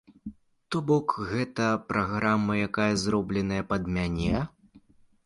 То бок, гэта праграма, якая зробленая пад мяне.